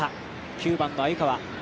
９番の鮎川。